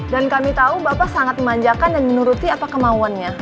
dan kami tahu bapak sangat memanjakan dan menuruti apa kemauannya